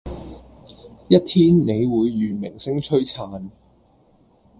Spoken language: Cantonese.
一天你會如明星璀璨